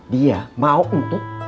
dia mau untut